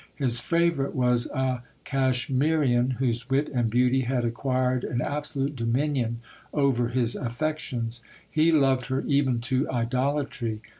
His favourite was a Cashmirian, whose wit and beauty had acquired an absolute dominion over his affections. He loved her even to idolatry.